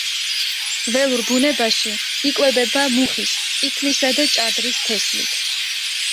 ველურ ბუნებაში იკვებება მუხის, წიფლისა და ჭადრის თესლით.